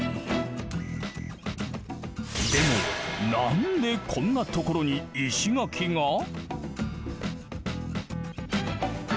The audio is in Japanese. でもなんでこんなところに石垣が？